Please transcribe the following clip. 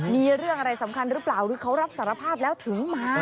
มีเรื่องอะไรสำคัญหรือเปล่าหรือเขารับสารภาพแล้วถึงมา